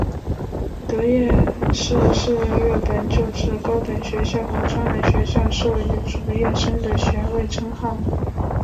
得业士是日本旧制高等学校和专门学校授与卒业生的学位称号。